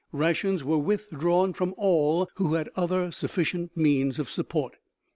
Rations were withdrawn from all who had other sufficient means of support.